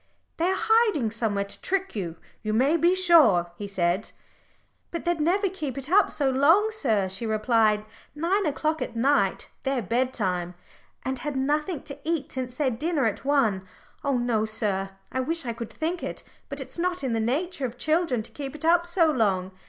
"They are hiding somewhere to trick you, you may be sure," he said. "But they'd never keep it up so long, sir," she replied. "Nine o'clock at night their bedtime, and had nothing to eat since their dinner at one. Oh no, sir I wish I could think it but it's not in the nature of children to keep it up so long.